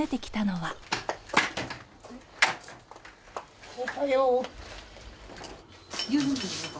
はい。